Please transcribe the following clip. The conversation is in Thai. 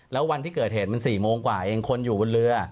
แล้ววันที่เกิดเหตุมัน๔โมงกว่าเองคนอยู่บนเรือ